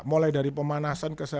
mulai dari pemanasan